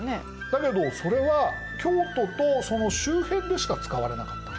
だけどそれは京都とその周辺でしか使われなかった。